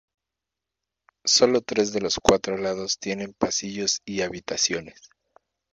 Sólo tres de los cuatro lados tienen pasillos y habitaciones.